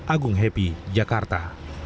agung happy jakarta